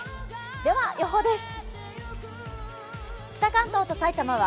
では予報です。